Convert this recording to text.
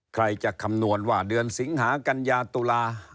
ใครจะคำนวณว่าเดือนสิงหากัญญาตุลา